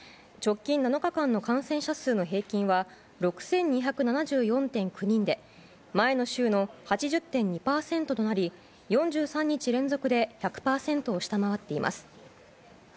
直近７日間の感染者数の平均は６２７４．９人で前の週の８０．２％となり４３日連続で１００％を下回っています。